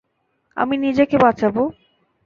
আমি নিজেকে বাঁচাবো।